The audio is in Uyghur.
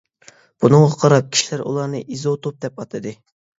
بۇنىڭغا قاراپ كىشىلەر ئۇلارنى ئىزوتوپ دەپ ئاتىدى.